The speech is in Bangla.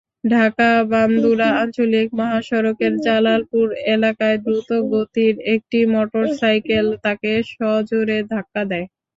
ঢাকা-বান্দুরা আঞ্চলিক মহাসড়কের জালালপুর এলাকায় দ্রুতগতির একটি মোটরসাইকেল তাঁকে সজোরে ধাক্কা দেয়।